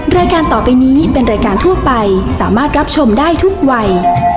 รายการต่อไปนี้เป็นรายการทั่วไปสามารถรับชมได้ทุกวัย